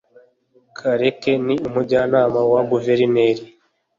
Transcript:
karake ni umujyanama wa guverineri